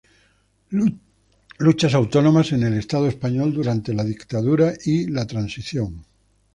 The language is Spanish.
Luchas autónomas en el estado español durante la dictadura y la transición